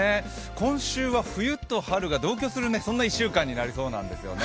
今週は冬と春が同居する、そんな１週間になりそうなんですよね